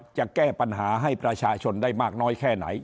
จะแก้ปัญหาให้ประชาชนได้มากน้อยแค่ไหน